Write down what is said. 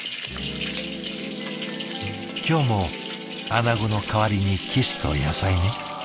「今日も穴子の代わりにキスと野菜ね」。